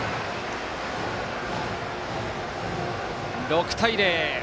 ６対０。